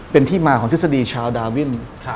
เป็นที่มาของทฤษฎีชาวดาวิน